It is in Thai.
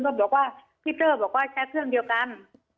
บอกว่าพี่เตอร์บอกว่าใช้เครื่องเดียวกัน